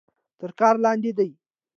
تر کار لاندې ده.